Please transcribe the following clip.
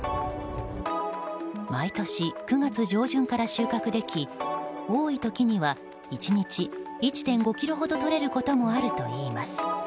毎年９月上旬から収穫でき多い時には１日１．５ｋｇほどとれることもあるといいます。